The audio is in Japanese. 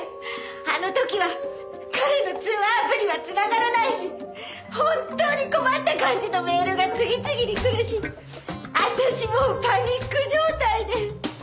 あの時は彼の通話アプリは繋がらないし本当に困った感じのメールが次々にくるし私もうパニック状態で。